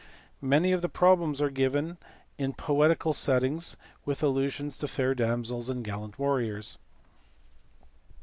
Many of the problems are given in a poetical setting with allusions to fair damsels and gallant warriors.